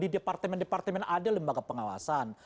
di dpr ada lembaga pengawasan